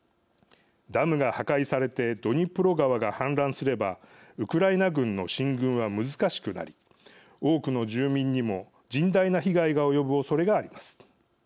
ダムが破壊されてドニプロ川が氾濫すればウクライナ軍の進軍は難しくなり多くの住民にも甚大な被害が及ぶおそれがあります。